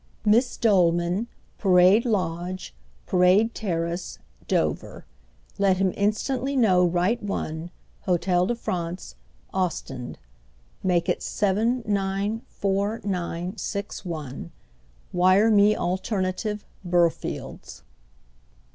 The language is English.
"Miss Dolman, Parade Lodge, Parade Terrace, Dover. Let him instantly know right one, Hôtel de France, Ostend. Make it seven nine four nine six one. Wire me alternative Burfield's."